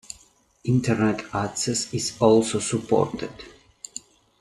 Internet access is also supported.